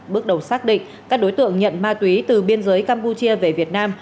bước đầu xác định các đối tượng nhận ma túy từ biên giới campuchia về việt nam